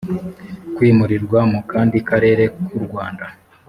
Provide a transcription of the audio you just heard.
kwimurirwa mu kandi karere ku rwanda